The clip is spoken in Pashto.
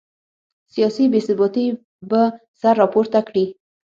سیاسي بې ثباتي به سر راپورته کړي.